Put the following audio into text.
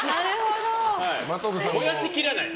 燃やしきらない。